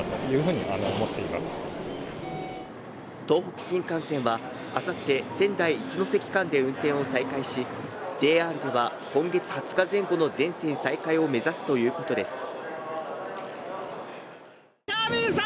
東北新幹線ば明後日、仙台一関間で運転を再開し、ＪＲ束今月２０日前後の全線再開を目指すということです。